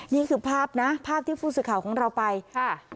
นี่คือภาพนะภาพที่ผู้สื่อข่าวของเราไปค่ะ